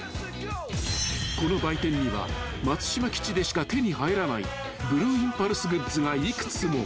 ［この売店には松島基地でしか手に入らないブルーインパルスグッズが幾つも］